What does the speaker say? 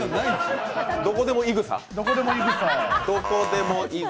どこでもいぐさ？